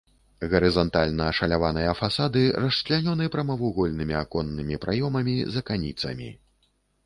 Гарызантальна ашаляваныя фасады расчлянёны прамавугольнымі аконнымі праёмамі з аканіцамі.